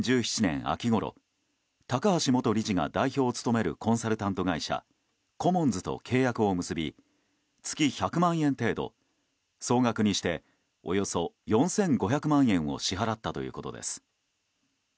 秋ごろ高橋元理事が代表を務めるコンサルタント会社コモンズと契約を結び月１００万円程度総額にしておよそ４５００万円を支払ったということです。